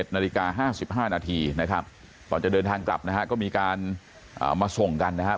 นาฬิกา๕๕นาทีนะครับก่อนจะเดินทางกลับนะฮะก็มีการมาส่งกันนะครับ